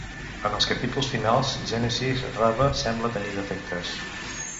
En els capítols finals, Genesis Rabba sembla tenir defectes.